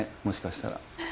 もしかしたら。